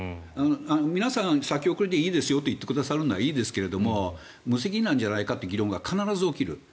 皆さん、先送りでいいですよと言ってくださるのはいいですが無責任じゃないかという議論が必ず起きる。